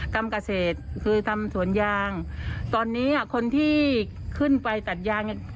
ทำกระเศษคือทำสวนยางตอนนี้อ่ะคนที่ขึ้นไปตัดยาง